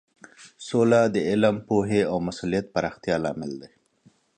سوله د علم، پوهې او مسولیت پراختیا لامل دی.